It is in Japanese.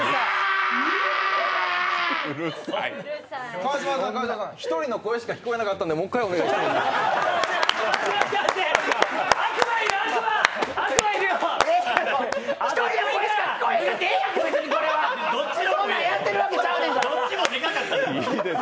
川島さん、１人の声しか聞こえなかったんで、もう一回お願いします。